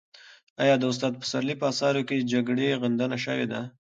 آیا د استاد پسرلي په اثارو کې د جګړې غندنه شوې ده؟